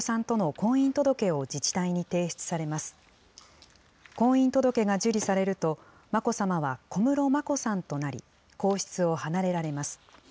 婚姻届が受理されると、眞子さまは小室眞子さんとなり、皇室を離れられます。